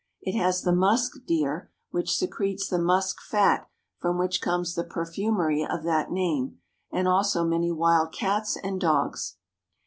It has the musk deer, which secretes the musk fat from which comes the perfumery of that name, and also many wild cats and dogs.